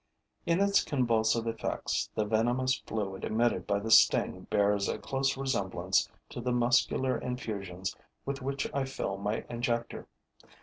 In its convulsive effects, the venomous fluid emitted by the sting bears a close resemblance to the muscular infusions with which I fill my injector.